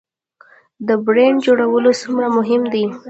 د برنډ جوړول څومره مهم دي؟